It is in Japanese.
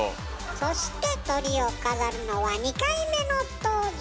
そしてトリを飾るのは２回目の登場。